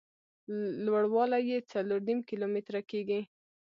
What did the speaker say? لوړ والی یې څلور نیم کیلومتره کېږي.